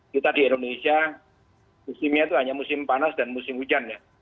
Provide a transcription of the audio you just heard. kita di indonesia musimnya itu hanya musim panas dan musim hujan ya